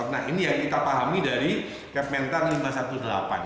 nah ini yang kita pahami dari kementan lima ratus delapan belas